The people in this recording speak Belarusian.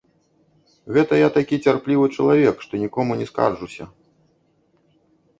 Гэта я такі цярплівы чалавек, што нікому не скарджуся.